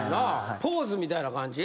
ポーズみたいな感じ？